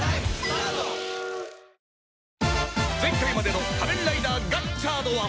前回までの『仮面ライダーガッチャード』は